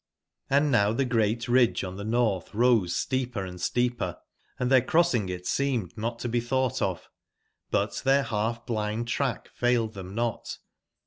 Hnd now the great ridge on the north rose steepcrand steeper, and their crossingit seemed notto be thoughtof; but their half/blind trackfailed them not.